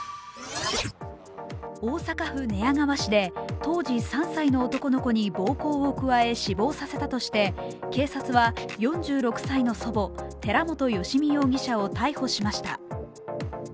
大阪府寝屋川市で当時３歳の男の子に暴行を加え死亡させたとして警察は４６歳の祖母、寺本由美容疑者を逮捕しました。